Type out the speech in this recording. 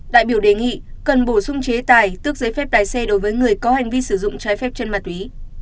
đại biểu đề nghị cần bổ sung chế tài tức giấy phép lái xe đối với người có hành vi sử dụng trái phép chân ma túy